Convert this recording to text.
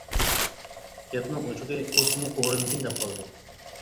گەپنىڭ ئوچۇقى ئۇ سىنى ئوغرىمىكىن دەپ قالدى.